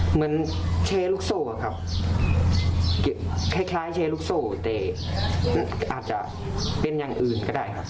เหมือนเชลลุกโส่อะครับแค่คล้ายเชลลุกโส่แต่อาจจะเป็นอย่างอื่นก็ได้ครับ